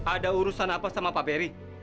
ada urusan apa sama pak peri